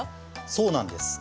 そうなんです。